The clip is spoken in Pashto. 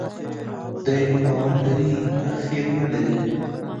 دى نو اول لري ، اخير نلري.